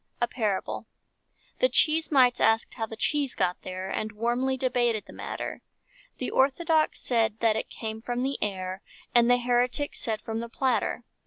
A PARABLE The cheese mites asked how the cheese got there, And warmly debated the matter; The Orthodox said that it came from the air, And the Heretics said from the platter.